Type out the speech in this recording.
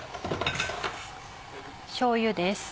しょうゆです。